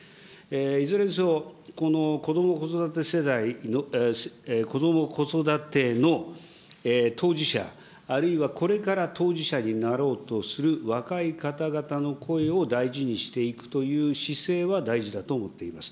いずれにせよ、このこども・子育ての当事者、あるいはこれから当事者になろうとする若い方々の声を大事にしていくという姿勢は大事だと思っています。